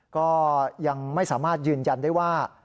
ก็ยังไม่สามารถยืนยันได้ว่า